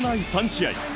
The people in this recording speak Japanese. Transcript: ３試合。